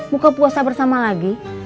buka puasa bersama lagi